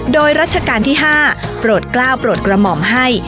โดยรัชกาลที่๕โปรดกล้าวโปรดกระหม่อมให้